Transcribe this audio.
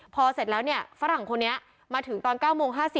พอเสร็จแล้วเนี่ยฝรั่งคนนี้มาถึงตอน๙โมง๕๐